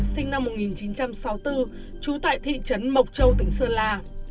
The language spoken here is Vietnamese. và đinh mạnh cường sinh năm một nghìn chín trăm sáu mươi bốn trú tại thị trấn mộc châu tỉnh sơn la